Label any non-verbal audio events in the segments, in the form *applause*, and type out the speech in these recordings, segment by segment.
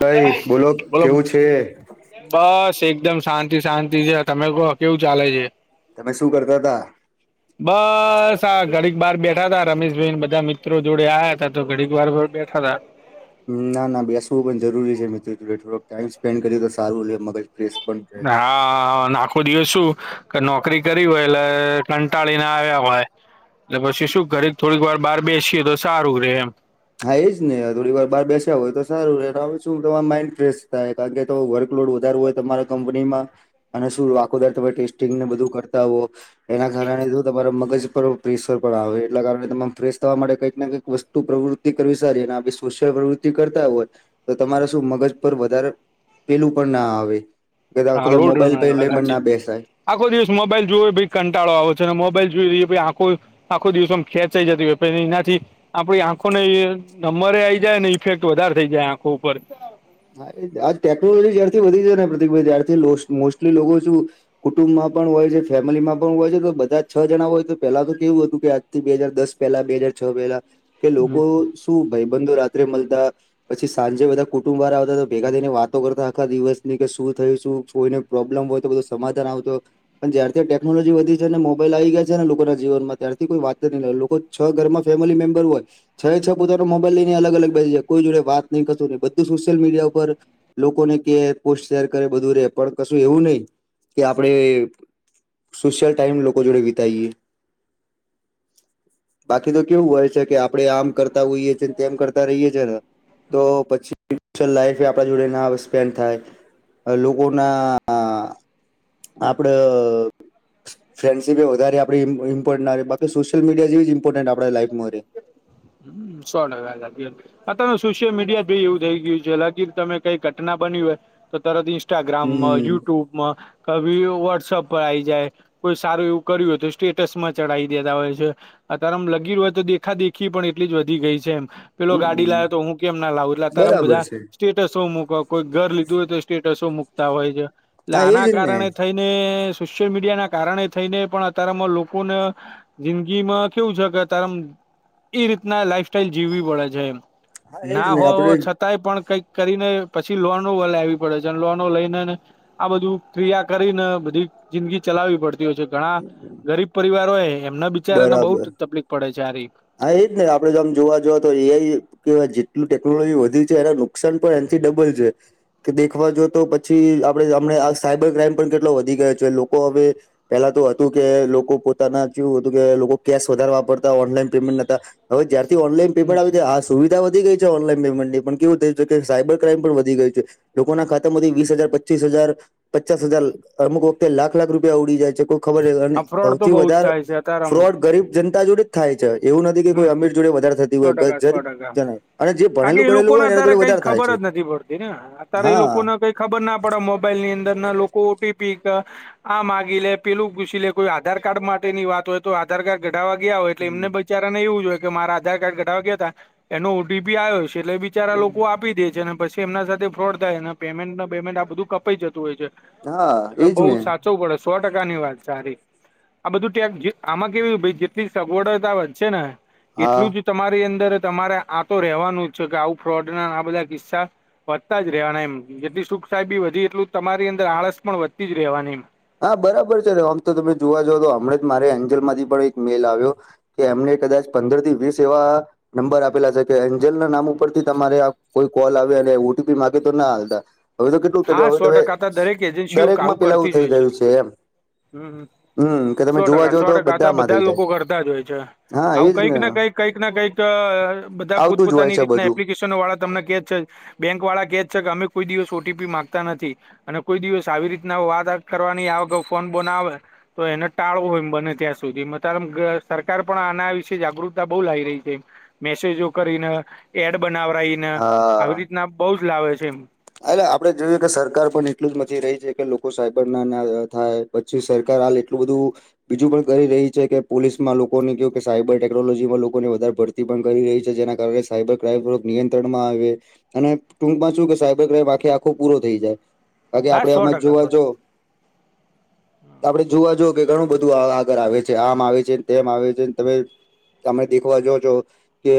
કઈ બોલો કેવું છે. બસ એકદમ શાંતિ શાંતિ છે તમે કહો કેવું ચાલે છે. તમે શું કરતા હતા. બસ આ ઘડીક બાર બેઠા તા રમેશભાઈ બધા મિત્રો જોડે આયા હતા તો ઘડીક વાર બેઠા તા. ના ના બેસવું પણ જરૂરી છે મિત્રો જોડે થડોક ટાઈમ સ્પેન્ડ કર્યું તો સારું રેય મગજ ફ્રેશ પણ રહે હા નાખ કો દિવસ શું કે નોકરી કરી હોય એટલે કંટાળીને આવ્યા હોય એ પછી શું ઘરે થોડીક વાર બહાર બેસીએ તો સારું રે એમ. હા એજ ને થોડી વાર બાર બેસ્યા હોય તો સારું હવે તમારા માઈન્ડ ફ્રેશ થાય. કારણ કે વર્કલોડ વધારો હોય તમારા કંપની માં. અને શું આખો દિવસ તમે ટેસ્ટિંગને બધું કરતા હો એના કારણે જો તમારા મગજ પર પ્રેશર પણ આવે એટલા કારણે તમા ફેશ થવા માટે કઈકને કંઈક વસ્તુ પ્રવૃ કરવી સારી અને આપ શોષણ પ્રવૃત્તિ કરતા હોય તો તમારા શું મગજ પર વધારે પેલું પણ ના આવે એટલે આખો હા દા લોડ મોબાઈલ લેય પણ સાચી ના બેસાય આખો દિવસ મોબાઈલ જોયો ભાઈ કંટાળો આવે છે અને મોબાઈલ જોઈ એટલે આખો આખો દિવસો આમ *unintelligible* થઈ જતી હોય પહી એનાથી આપડી આંખો ને નંબરે આવી જાય ને ઇફેક્ટ વધારે થઇ જાય આંખો ઉપર. હા આ ટેકનોલોજી જ્યારથી વધી જાય ને પ્રતિકભાઈ ત્યારથી મોસ્ટલી લોકો શું કુટુંબમાં પણ હોય છે ફેમિલીમાં પણ હોય છે તો બધા છ જણા હોય તો પેલા તો કેવું હતું કે બે હાજર દસ પહેલા બે હાજર છ પહેલા કે હમ લોકો શું ભાઈબંધો રાત્રે મળતા પછી સાંજે બધા કુ કુટુંબ વારે આવતા તો ભેગા થઈને વાતો કરતા આખા દિવસ ની કે શું થયું શું કોઈને પ્રોબ્લેમ હોય તો બધું સમાધાન આવતો. પણ જ્યારથી આ ટેકનોલોજી વધી છે અને મોબાઈલ આવી ગયા છે ને લોકોના જીવનમાં ત્યારથી કોઈ વાત જ ન લોકો છ ઘરમાં ફેમિલી મેમ્બર હોય છહી છ પોતાનો મોબાઈલ લઈને અલગ અલગ બેસી જાય કોઈ જોડે વાત નઈ કશું ની સોશિયલ મીડિયા ઉપર લોકોને કે પોસ્ટ શેર કરે બધું રે પણ કશું એવું નહી. કે આપડે સોશિયલ ટાઈમ લોકો જોડે વિતાઈએ. બાકી તો કેવું હોય છે કે આપડે આમ કરતા હોઈએ છેએ ને તેમ કરતા રહીએ છે ને તો પછી લાઈફ આપડા જોડે ના સ્પેન્ડ થાય લોકોના આપડે ફ્રેન્ડશિપ એ વધારે ઈમપોર્ન્ટ બાકી સોસીયલ મીડિયા જેવી જ ઇમ્પોર્ટન્ટ આપ લાઈફમાં રે સો ટકા આ તમે સોશિયલ મીડિયા જો એવું થઈ ગયું છે હકી તમે કઈ ઘટના બની હોય તો તરત ઇન્સ્ટાગ્રામ હમ યુટ્યુબ મા કભી વ્ટસઅપ પર આઈ જાય કોઈ સારું એવું કર્યું હો તો સ્ટેટસ માં ચઢાવી દેતા હોય છે. અત્યારેમ લગી રહ્યું હોય તો દેખા દેખી પણ એટલી જ વધી ગઈ છે એમ પેલો ગાડી હમ લાવ્યો તો હું કેમ ના લાવું એટલા ત્યારેમ બરાબર બધા છે સ્ટેટસો મૂક કોઈ ઘર લીધું હોય તો સ્ટેટસો મુકતા હોય છે એટલે હા આના એજ ને કારણે થઈ ને સોશિયલ મીડિયા ના કારણે થઈને પણ અતારમાં લોકોને જિંદગી માં કેવું છે કે તાર આમ એ રીતના લાઈફ સાઈલ જીવવી પડે છે, હા એજ ના ને હોવ આપડે છ કાંઈ પણ કંઈક કરીને પછી લોન વલાવી પડે છે અને લોનો લઈને ને આ બધું ક્રિયા કરીને બધી જિંદગી ચલાવી પડ તી હોય છે ઘણા ગરીબ પરિવાર હોય એમના બિચારાને બહુ બરાબર તકલીફ પડે છે આ રીત. હા એ જ ને આપડે જોમ જોવા જએ તો એઆઇ કે જેટલું ટેકનોલોજી વધી છે એના નુકસાન પણ એનથી ડબલ છે. કે દેખવા જો તો પછી આપણે હમણા આ સાયબર ક્રાઈમ પણ કેટલો વધી ગયો છે લોકો હવે પેલા તો હતું કે લોકો પોતાના જેવું હતું કે લોકો કેશ વધારે વાપરતા ઓનલાઈન પેમેન્ટ નતા હવે જ્યારથી ઓનલાઈન હમ પેમેન્ટ આવી હાસ સુવિધા વધી ગઈ છે ઓનલાઈન પેમેન્ટની પણ કેવું થય છે કે સાબર ક્રાઈમ પણ વધી ગઈ છે. લોકોના ખાતામાંથી વીસ હજાર પચીસ હજાર પચાસ હજાર અમુક વખતે લાખ લાખ રૂપિયા ઉડી જાય છે. ખબર છે અને આ ફ્રોડ તો સૌથી બહુ જ વધારે થાય છે અતારામાં ફ્રોડ ગરીબ જનતા જોડે જ થાય છે. એવું નથી કે હમ કોઈ અમીર જોડે વધારે થતી સો હોય ગ ટકા સો ગરીબ ટકા જન અને જે કરણ ભણેલું એ ગણેલું લોકોને હોય ને એના અત્યારે જોડે કઈ વધારે થાય ખબર છે જ નથી પડ તી ને અત્યારે એ હા લોકોને કઈ ખબર ના પડે મોબાઈલ ની અંદર ના લોકો ઓટીપી આ માગી લે પેલું પૂછી લે કોઈ આધાર કાર્ડ માટે ની વાત હોય તો આધાર કાર્ડ કઢાવવા ગયા હો એટલે એમને બ હમ. ચારા ને એવું જોય કે મારા આધાર કાર્ડ કઢાવવા ટ ગયા હતા એનો ઓટીપી આવ્યો છે એટલે બી ચારા લોકો આપી દે છે ને પછી એમના સાથે ફ્રોડ થાય ને પેમેન્ટ પમેન્ટ આ બધું કપાઈ જતું હોય છે. હા એટલે એજ બઉુ ને સા ચવું પડે સો ટકાની વાત સારી આ બધું ટેક જે આમાં કેવી જેટલી સગવડતા વઘ શે ને છે ને હા એટલું જ તમારી અંદર તમારે આ તો રેવાનું જ છે કે આવું ફ્રોડ ના આ બધા કિસ્સા વધતા જ રહેવાના એમ જેથી સુુખ સાહેબી વધી એટલું તમારી અંદર આળસ પણ વધતી જ રહેવાની હા બરાબર છે ને આમ તો તમે જોવા જાવ તો હમણાં જ મારે એન્જલ માંથી પણ એક મેલ આવ્યો કે એમને કદાચ પંદર થી વીસ એવા નંબર આપેલા છે કે એન્જલના નામ ઉપરથી તમારે આ કોઈ કોલ આવે અને ઓટીપી માંગે તો ના આલતા. હવે તો કેટલું કજો હા સો હવે ટકા તો દરેક એજન્સીઓ દરેકમાં આવું પેલાવું કરતી જ થઈ હોય ગયું છે એમ. હમ હમ કે તમે સો જોવા ટકા જાવ સો તો ટકા હતા બધામાં બધા થઈ જાય લોકો કરતા જ હોય છે. હા આવું એજ ને કંઈકને કંઈક કઈકને કઈક બધા આવતું જ હોય પોતપોતાની છે રીતના બધું એપ્લિકેશ ન વાળા તમને કે જ છે બેંક વાળા કે જ છે કે અમે કોઈ દિવસો ઓ ટીપી માંગતા નથી અને કોઈ દિવસ આવી રીતના વાત કરવાની આવેક ફોન બોન આવે તો એને ટાળવો હોય એમ બને ત્યાં સુધી મતા સરકાર પણ આના વિશે જાગૃતતા બહુ લાવી રહી છે. મેસેજો કરીને એડ બનાવરાયને હા આવી રીતના બહુ જ લાવે છે. એટલે આપડે જોયું કે સરકાર પણ એટલું જ મથી રહી છે કે લોકો સાયબર નાયા થાય. પછી સરકાર હાલ એટલું બધું બીજું પણ કરી રહી છે કે પોલીસમાં લોકોને કવું કે સાયબર ટેકનોલોજીમાં લોકોને વધારે ભર તી પણ કરી રહી છે જેના કારણે સાયબર ક્રાઈમ નિયંત્રણમાં આવે અને ટૂકમાં શુ કે સાય આખે આખો પૂરો થઈ જાય બાકી હા આપડે સો આમાં ટકા સો જોવા જવ ટકા આપડે જોવા જ કે ઘણું બધું આગળ આવે છે આમ આવે છે ને તેમ આવે છે તમે તમે દેખવા જો છો. કે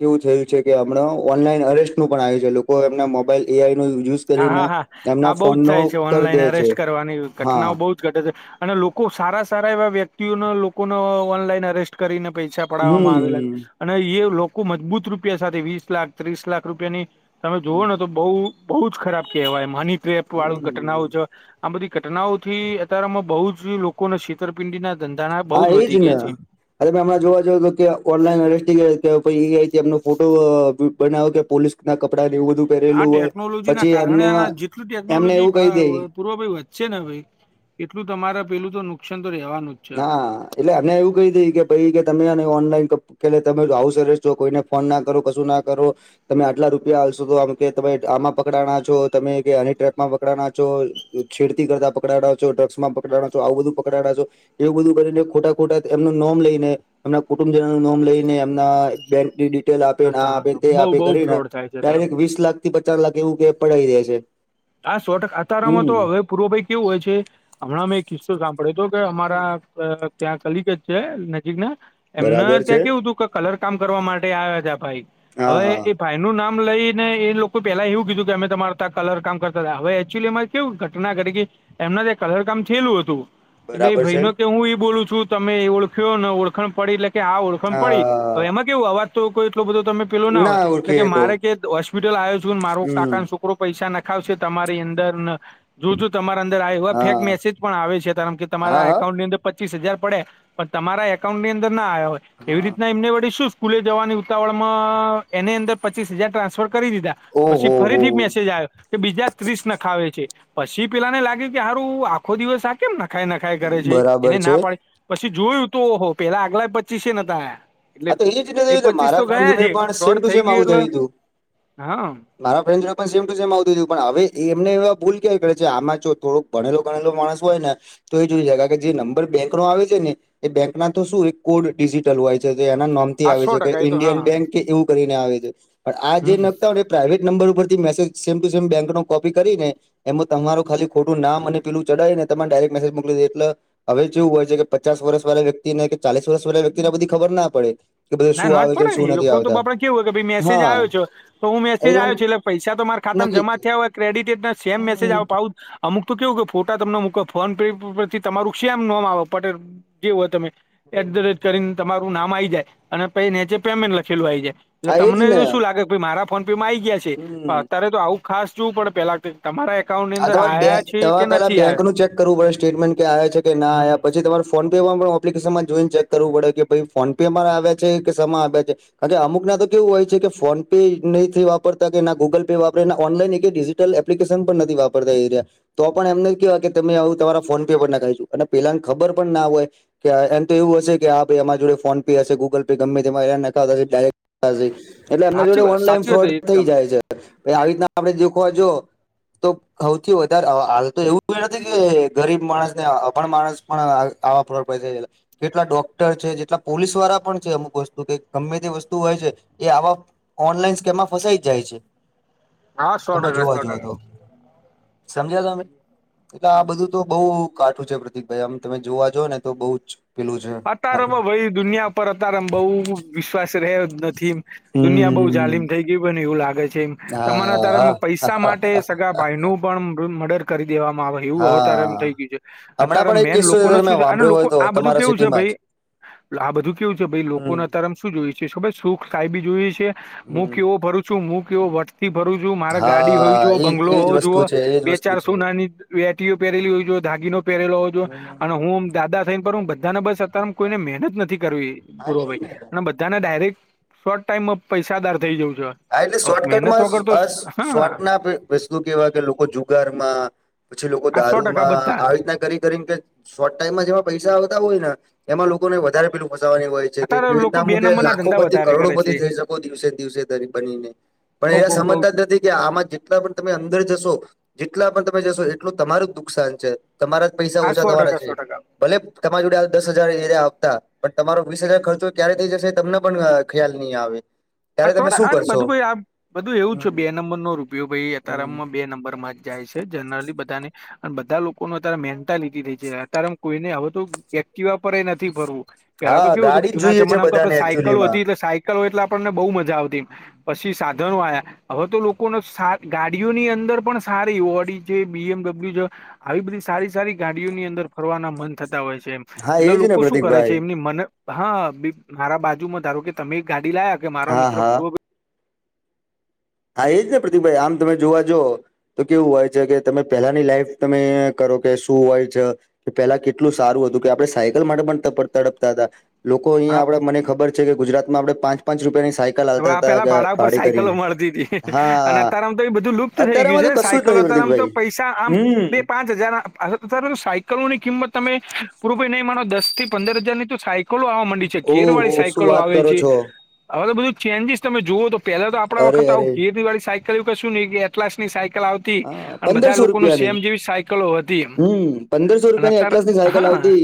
કેવું થયું છે કે હમણા ઓનલાઈન અરેસ્ટ નું પણ આયુ છે લોકો એમના મોબાઈલ એ આઈ નો યુઝ હા કરીને હા હા એમના આ બહુ જ ફોનનો થાય છે કરી ઓનલાઈન દે છે અરેસ્ટ કરવાની હા ઘટનાઓ બોજ ઘટે છે અને લોકો સારા સારા એવા વ્યક્તિઓને લોકોને ઓનલાઈન અરેસ્ટ કરીને પૈસા હમ પડવામાં આવેલા છે અને એ લોકો મજબૂત રૂપિયા સાથે વીસ લાખ ત્રીસ લાખ રૂપિયાની તમે જુઓ ને તો બહુ બહુ જ ખરાબ કેહેવાય મની ક્રેપ વાળુ ઘટનાઓ હમ છે. આ બધી ઘટનાઓ થી અત્યારમાં બહુ જ લોકોને છેતરપિંડી ના ધંધાના બહુ જ વધી ગયા છે. તમે હમણાં જોવા જ તો કે ઓનલાઈનસ્ટ આઈ એમ ફોટો બનાવ કે પોલીસ ના કપડા એવું બધું આ પહેરેલું હોય ટેકનોલોજી ના પછી એમને કારણે જેટલું એમને ટેકનોલોજી એવું કહી દે *unintelligible* એટલું તમારા પેલું તો નુકસાન તો રહેેવાનું જ. છે હા એટલે અને એવું કહી દી કે ભાઈ કે તમે એને ઓનલાઈન કેલે તમે આવ સરસ જો કોઈને ફોન ના કરો કશું ના કરો તમે આટલા રૂપિયા હલશો તો આમ કે તમે આમાં પકડાના છો તમે કે આની ટ્રેપમાં પકડાના છો છેડતી કરતા પકડાડો છો, ડ્રગ્સમાં પકડના છો, આવું બધું પકડાડા છો એવું બધું કરીને ખોટા ખોટા એમનું નોમ લઈને એમના કુટુંબજનો નું નોમ લઈને એમના બેંક ટેલ આપે ને આ આપે તે બઉ આપે બઉ કરીને ફ્રોડ થાય છે ધર્મ ડાયરેક્ટ વીસ લાખથી પચાસ લાખ એવું કે પડાય દે છે. આ સો ટકા આતારામાં હમ તો અવે પૂર્વભાઈ કેવું હોય છે. અમણાં મેં એક કિસ્સો સાંભળ્યો હતો કે અમારા ત્યાં કલિગ છે નજીક ના એમને બરાબર છે ત્યાં કેવું હતું કલર કામ કરવા માટે આવ્યા છે ભાઈ. હા અવે હા એ ભાઈ નું નામ લઈ ને એ લોકો પેલા એવું કીધું કે અમે તમાર ત્યા કલર કામ કરતા અવે એકચ્યુલી માં કેવું ઘટના ઘટી કે એમના જે કલરકામ થયેલું હતું. એટલે એ બરાબર ભાઈ છે ન કે હું બોલું છું તમે ઓળખ્યો ન ઓળખણ પડી એટલે કે આ ઓળખણ પડી તો હા એમાં કેવું અવાજ તો કોઈ એટલો બધો તમે પેલું ના હોય એટલે ઓળખી કે હકો મારે કે હોસ્પિટલ આયો ચુ ને મારો હમ કાકા છોકરો પૈસા નખાવશે તમારી અંદર જો જો તમારા અંદર આવી ફેક હા મેસેજ પણ આવે છે. કારણ કે હા તમારા હા એકકાઉન્ટની અંદર પચીસ હજાર પડ્યે પણ તમારા એકાઉન્ટની અંદર ના આવ્યા હોય એવી હા રીતના એમને વળી શું સ્કૂલે જવાની ઉતાવળમાં એની અંદર પચીસ હજાર ટ્રાન્સફર કરી દીધા. પછી ઓહો હો ફરીથી મેસેજ આવ્યો. કે બીજા ત્રીસ નખાવે છે. પછી પેલાને લાગે હારું આખો દિવસ આ કેમ નખાય નખાય કરે છે. બરાબર એને છે ના પાડે પછી જોયું તો ઓહો પેલા આગલા પચી એ નતા આયા. એટલે આ એ રીતે એ પચીસ તો *unintelligible* ગયા જોડે છે પણ સેમ ફ્રોડ ટુ થઈ સેમ આવું એટલે થયું ગયું. હા મારા ફ્રેન્ડસડ જોડે પણ સેમ ટુ સેમ આવું થયું પણ અવે એમને એવા ભૂલ કેવી કરે છે આમાં જો થોડું ભણેલો ગણેલો માણસ હોય ને તો એ જોઈ જાય કારણકે જે નંબર બેંકનો આવે છે ને એ બેંક ના તો શું કોડ ડિજિટલ હોય છે. એના નામથી આ આવે સો છે. ટકા એ તો ઈન્ડિયન હા બેંક કે એવું કરીને આવે છે. પણ આ જે હમ નગ પ્રાઇવેટ નંબર ઉપરથી message same to same bank નો કોપી કરી ને એમાં તમારું ખાલી ખોટું નામ અને પેલું ચડાય ને તમે ડાયરેક્ટ મેસેજ મોકલી દેય એટલે અવે જેવું હોય છે કે પચાસ વર્ષ વાળા વ્યક્તિને કે ચાલીસ વર્ષ વાળા વ્યક્તિ ને બધી ખબર ના પડે કે બધું ના શું નો જ આવે છે પડે ને શું એ નથી લોકો તો આવતા આપડે કેવું હો કે ભાઈ મેસેજ હા આવ્યો છ તો હું એ મેસેજ આવ્યો છે એટલે પૈસા તમારા ખાતામાં નક્કી જમા થયા હોય ક્રેડિટ સેમ મેસેજ હમ અમુક તો કેવું કે ફોટા તમને મૂક ફોન પે પરથી તમારું સેમ નમ પટેલ જેવ હોય તમે એટધરેટ કરીને તમારું નામ આ આવી જાય. અને પહિ નીચે પેમેન્ટ લખેલું આવી જાય. એટલે હા એજ તમને ને તો શું લાગે મારા ફોન પે માં આ આવી ગયા છે. હમ પણ અત્યારે તો આવું ખાસ જોવું પડે પેલા આ તમારે તમારે પેલા નથી બેંક આવ્યા નું ચેક કરવું પડે સ્ટેટમેન્ટ કે આવ્યા છે કે ના હમ આવ્યા પછી તમારે ફોનપેમાં પણ ઓપ્લિકેશનમાં જોઈને ચેક કરવું પડે કે ભાઈ ફોન પેમાં આવ્યા છે કે સમા આવ્યા છે. અને અમુક ના તો કેવું હોય છે કે ફોન પે નહીં વાપરતા કે ના ગૂગલ પે વાપરે ઓનલાઈન એકેય ડીઝી ટલ એપ્લિકેશન પણ નથી વાપરતા એર્યા તો પણ એમને કહેવાય કે તમે આવું તમારા ફોન પે પણ નાખીશું અને પેલાને ખબર પણ ના હોય. કે એમ તો એવું હશે કે આ ભાઈ અમા જોડે ફોન પે હશે ગૂગલ પે ગમે તેમાં એ નખાતા હોય ડાયરેક એટલે એમના જોડે સાચી વાત ઓનલાઈન સાચી વાત ફ્રોડ થઈ એકદમ જાય છે. આવી રીતના આપડે દખવા જો તો હૌથી વધારે હાલ તો એવું નથી કે ગરીબ માણસ ને અભણ માણસ પણ આવા. *unintelligible* કેટલા ડોક્ટર છે. જેટલા પોલીસ વાળા પણ છે. અમુક વસ્તુ કે ગમે તે વસ્તુ હોય છે એ આવા ઓનલાઈન સ્કેમમાં ફસાઈ જ જાય છે. હા શો તમે ટકા જોવા શો જઓ ટકા. તો સમજ્યા તમે. એટલે આ બધું તો બઉુ કાઠું છે પ્રતિક ભાઈ આમ તમે જોવા જ ને તો બઉુ જ. પેલું છે અત્યારેમાં ભાઈ દુનિયા પર અત્યારે એ બઉુ વિશ્વાસ રયો નથી. દુનિયા બહુ હમ જલીમ થઈ ગયું મન એવું લાગે છે એમ. તમારે હા અત્યારે પૈસા હા માટે સગા ભાઈ નુ પણ મર્ડર કરી દેવામાં આવે. એવું હવે તારે એમ હા થઈ ગયું છે હમણાં અત્યારે પણ મેન લોકોને શું છે અને લોકો આ બધું. કેવું છે હિમાં ભાઈ જ. આ બધું કેવું છે ભાઈ હમ લોકોને અત્યારે શું જોએ છે ખબર છે સુખ સાયબી જોય છે હું હમ કેવું. હું ફરું છું હું કેવો વટ થી ફરું છું મારે ગાડી હોય હા જુઓ એજ બંગલો એજ હોવો વસ્તુ જુઓ. છે એજ બે વસ્તુ ચાર છે સોનાની વેટીઓ પહેરેલી હોય જો ધાગીનો પહેરેલો હોય જો. હમ અને હુંમ દાદા થઈને પણ હું બધાને બસ અત્યારે કોઈને મહેનત નથી કરવી ભુરો આવી જ ને ભાઈ. બધાને ડાયરેક્ટ શોર્ટ ટાઈમમાં પૈસાદાર થઈ જઉં છે. હા એટલે શોર્ટકટમાં મહેનત અસ વગર તો અસ હા શોર્ટ ના. વસ્તુ કેવા કે લોકો જુગાર માં પછી લોકો આ સો ટકા દારૂમાં બધા આવી રીતના કરી કરી કે શોર્ટ ટાઈમમાં જેમાં પૈસા આવતા હોય ને એમાં લોકોને વધારે પેલું ફસવાની હોય છે. કે અત્યારે કેવી રીત લોકો બે નામું કે નંબરના લાખો ધંધા પતિ વધારે કરોડો કરે પતિ છે થઈ શકો દિવસે દિવસે તરી. પણ બઉ એના બઉ બઉ સમજતા જ નથી કે આમાં જેટલા પણ તમે અંદર જશો જેટલા પણ તમે જશો એટલું તમારું જ નુકસાન છે તમારા જ પૈસા આ ઓછા સો થવાના ટકા છે. સો ટકા ભલે તમારી જોડે દસ હજાર એ આપતા પણ તમારો વીસ હજાર ખર્ચો ક્યારે થઇ જશે તમને પણ ખ્યાલ નહી આવે. હ ત્યારે તમે સોડા શું આ કરશો બધું ભાઈ આ બધું એવું છે હમ બે નંબર નો રૂપિયો ભાઈ હમ અતારમાં. બે નંબર માં જ જાય છે જનરલી બધાને અને બધા લોકો ન અત્યારે મેન્ટાલિટી થાય છે અત્યારે કોઈને હવે તો એક્ટિવા પર નથી ફરવું પેલા તો હા કેવું હતું ગાડી જ જુના જોઈએ છે જમાનામાં તો બધાને આપડે સાયકલો એકચુલીમાં હતી એટલે સાયકલો એટલે આપણને બહુ મજા આવતી તી સાધનો આયા. હવે તો લોકોને સાત ગાડીઓની અંદર પણ સારી ઓડી છે બી એમડબલ્યુ છે. આવી બધી સારી સારી ગાડીઓની અંદર ફરવાના મન થતા હોય છે એમ. હા એટલે એજ ને લોકો શું કરે પ્રતિકભાઈ છે એમની મને. હા મારા બાજુમાં ધારો કે તમે એક ગાડી લાયા કે મારો હા મિત્ર હા પૂ. હા એજ ને પ્રતિભભાઈ આમ તમે જોવા જો તો કેવું હોય છે કે તમે પેહલાની લાઈફ તમે કરો કે શું હોય છે. કે પેલા કેટલું સારું હતું કે આપણે સાયકલ માટે પણ તપ તડપતા તા. લોકો હા અહીયા આપણે મને ખબર છે કે ગુજરાતમાં આપડ પાંચ પાંચ રૂપિયાની સાઈ હવે આ પેલા ભાડા ઉપર સાયકલો મળતી હતી. અને હા અતારમ તો એ બધું લુપ્ત થઇ ગયું અત્યારેમાં છે તો કશું સાયકલો જ નથી અતારમ તો પ્રતિકભાઈ પૈસા આમ હમ બે. પાંચ હજાર સાયકલો ની કિંમત તમે પૂરું ભાઈ નહી માનો દસ થી પંદર હજારની તો સાઈ લો આવા માંડી છે ઘેર ઓહો વાળી શું સાયકલો વાત આવે કરો છે છો આવે તો ન્જીસ તમે જુઓ તો પેલા તો આપણા અરે વખત આવ અરે ઘેરી વાી સાયકલ એવ ક શું ન એટલાસ ની સાયકલ આવ. તી હા અને બધા પંદરસો લોકો નુ રૂપિયાની સેમ જેવી સાયકલો હતી હમ પંદરસો અને રૂપિયાની અત્યારે એટલાસ ની સાયકલ હા આવતી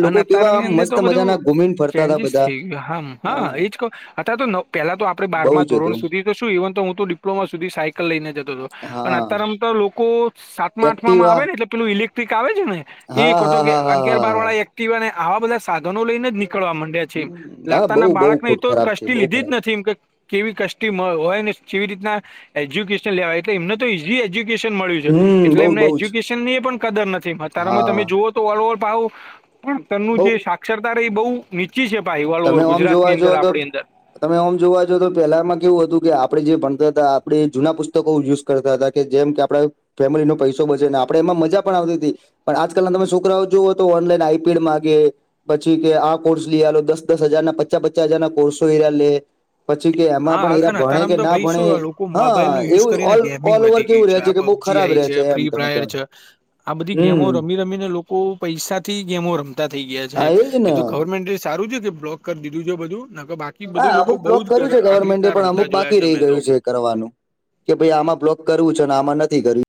અને લોકો કેવા અતારની આમ અંદર મસ્ત તો બધું મજાના ઘુમીને ફરતા હતા ચેન્જીસ બધા થઈ ગયું હા હા એજ કઉ અત્યારે તો નવ. પેલા તો આપણે બઉ બારમા જ ધોરણ હતું સધી તો શું ઇવન તો હું તો ડિપ્લોમા સુધી સાયકલ લઈને જતો હતો. અને હા અત્યારે આમ તો લોકો સાતમા આઠમા માં એક્ટિવા આવે ને એટલે પેલું ઈલેક્ટ્રિક આવે છે ને. એ હા તો હા કે હા હા અગિયાર બાર હા વાળા એક્ટિવ ને આવા બધા સાધનો લઈને જ નીકળવા મ. હમ હા લતા બઉ ના બઉ બાળક ને ખોટ એતો ખરાબ થઈ કષ્ટી બઉ લીધી જ ખરાબ નથી. કેવી કશટી હોય ને કેવી રીતના એજ્યુકેશન લેવાય એટલે એમને તો ઈજી. મળયું છે હમ એટલે બઉ એમને બઉ જ એજ્યુકેશન ની પણ કદર નથી અતારમાં તમે હા જોઓ. ઓલ ઓવર પાવો પણ તનું બઉ જે સાક્ષરતા ર એ બહુ. નીચી છે ભાઈ ઓલ તમે ઓવર ઓમ જોવા ગુજરાતની જો અંદર તો આપણી અંદર તમે ઓમ જોવા જો તો પેલામાં કેવું હતું કે આપણે જે ભણતા હતા આપણેે જૂના પુસ્તકો યુઝ કરતા હતા કે જેમ કે આપડ ફેમિલી નો પૈસો બચેને આપડે એમાં મજા પણ આવતી હતી પણ આજકાલના તમે છોકરાઓ જુઓ તો ઓનલાઈન આઈપીડ માંગે પછી કે આ કોર્સ લઈલો દસ દસ હજાર ના પચા પચાસ હજાર ના કોર્સો એરા લે પછી કે એમાં પણ હા એરા અને ભણે અત્યારેમ કે તો ના ભાઈ ભણે શું લોકો મોબાઈલ હા એવું ઓલ ઓવર કેવું રહે છે કે બઉ જી આઈ છે ફ્રી ફાયર છે આ બધી ગેમો હમ રમી રમીને લોકો પૈસાથી ગેમો રમ થઈ ગયા હા છે એજ એ ને તો ગવર્મેન્ટ સારું છે કે બ્લોક કરી દીધું છે બધું ન બાકી બધું હા લોકો અમુક બહુ બ્લોક જ કર્યું છે આવી ગવર્મેન્ટે રીતના પણ અમુક રમતા જોયા બાકી છે રહી મેં તો ગયું છે કે ભ આમાં બ્લોક કરવું છે આમાં નથી કર